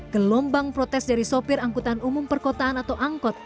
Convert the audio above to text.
gelombang protes dari sopir angkutan umum perkotaan atau angkot